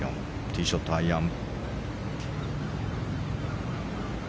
ティーショット、アイアン。